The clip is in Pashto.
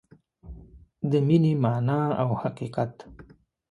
د مینې مانا او حقیقت